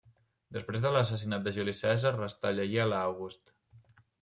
Després de l'assassinat de Juli Cèsar restà lleial a August.